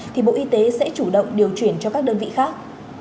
thì bộ y tế sẽ chủ động điều chuyển cho các đơn vị khác